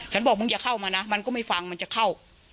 บอกมึงอย่าเข้ามานะมันก็ไม่ฟังมันจะเข้า